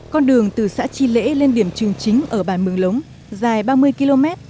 con đường từ xã chi lễ lên điểm trường chính ở bàn mường lống dài ba mươi km